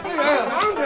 何で！？